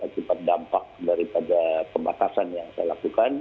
akibat dampak daripada pembatasan yang saya lakukan